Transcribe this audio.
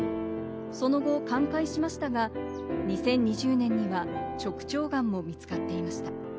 その後、寛解しましたが、２０２０年には直腸がんも見つかっていました。